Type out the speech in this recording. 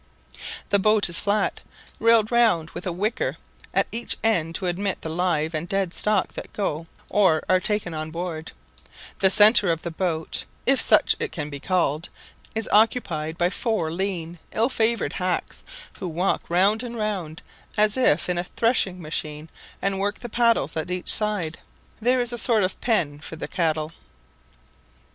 The boat is flat, railed round, with a wicker at each end to admit the live and dead stock that go or are taken on board; the centre of the boat (if such it can be called) is occupied by four lean, ill favoured hacks, who walk round and round, as if in a threshing machine, and work the paddles at each side. There is a sort of pen for the cattle.